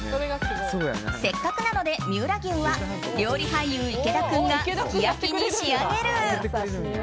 せっかくなので三浦牛は料理俳優・池田君がすき焼きに仕上げる。